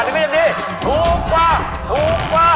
ถูกกว่า๑ปีถูกกว่า